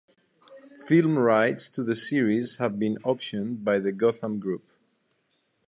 Film rights to the series have been optioned by the Gotham Group.